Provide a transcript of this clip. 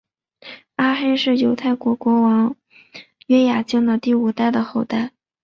阿黑是犹大王国国王约雅敬的第五代的后代。